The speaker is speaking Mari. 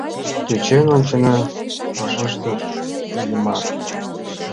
— Тӧчен ончена, — вашештыш Иллимар.